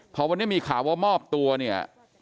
พอวันนี้มีข่าวว่ามอบตัวเนี่ย